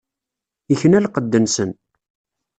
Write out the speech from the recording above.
Ikna lqedd-nsen.